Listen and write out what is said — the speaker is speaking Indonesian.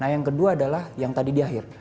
nah yang kedua adalah yang tadi di akhir